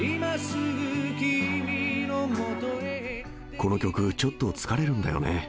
この曲、ちょっと疲れるんだよね。